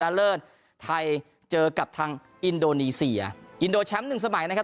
เลิศไทยเจอกับทางอินโดนีเซียอินโดแชมป์หนึ่งสมัยนะครับ